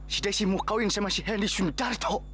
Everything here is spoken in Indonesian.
si desi mau kawin sama si henry sumitari tuh